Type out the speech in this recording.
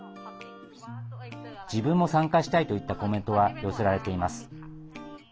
自分も参加したいといったコメントが寄せられています。